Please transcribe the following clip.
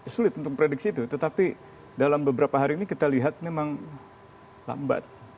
sulit untuk memprediksi itu tetapi dalam beberapa hari ini kita lihat memang lambat